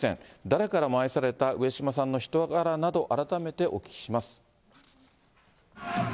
誰からも愛された上島さんの人柄など、改めてお聞きします。